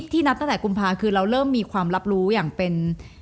นับตั้งแต่กุมภาคือเราเริ่มมีความรับรู้อย่างเป็น